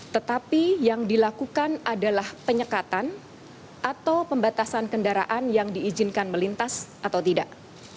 tetapi yang dilakukan adalah penyekatan atau pembatasan kendaraan yang diizinkan melintas atau tidak